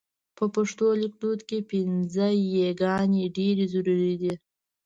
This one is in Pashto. په پښتو لیکدود کې پينځه یې ګانې ډېرې ضرور دي.